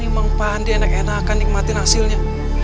ini emang pak andi enak enakan nikmatin hasilnya